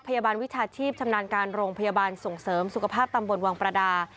พยาบาลวิชาชีพชำนาญการโรงพยาบาลส่งเสริมสุขภาพตำบลวังประดา